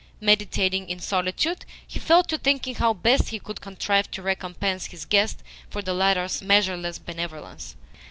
Meditating in solitude, he fell to thinking how best he could contrive to recompense his guest for the latter's measureless benevolence.